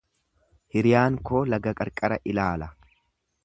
Hiriyaan koo laga qarqara ilaala.